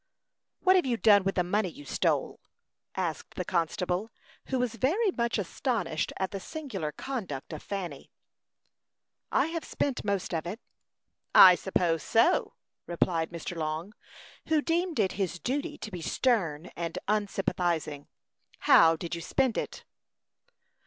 "What have you done with the money you stole?" asked the constable, who was very much astonished at the singular conduct of Fanny. "I have spent most of it." "I suppose so," replied Mr. Long, who deemed it his duty to be stern and unsympathizing. "How did you spend it?"